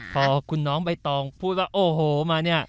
พอคุณน้องใบตองพูดว่าโอ้โหมาเนี่ย